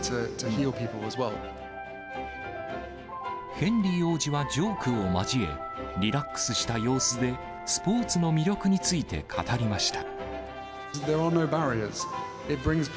ヘンリー王子はジョークを交え、リラックスした様子で、スポーツの魅力について語りました。